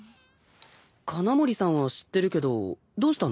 鉄穴森さんは知ってるけどどうしたの？